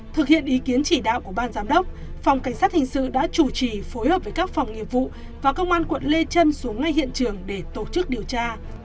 thực hiện ý kiến chỉ đạo của ban giám đốc phòng cảnh sát hình sự đã chủ trì phối hợp với các phòng nghiệp vụ và công an quận lê trân xuống ngay hiện trường để tổ chức điều tra